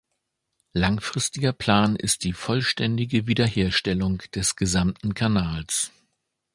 Langfristiger Plan ist die vollständige Wiederherstellung des gesamten Kanals.